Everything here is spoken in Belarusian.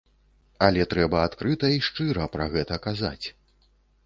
Але трэба адкрыта і шчыра пра гэта казаць.